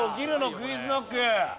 ＱｕｉｚＫｎｏｃｋ。